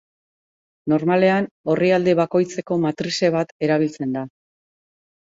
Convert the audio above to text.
Normalean, orrialde bakoitzeko matrize bat erabiltzen da.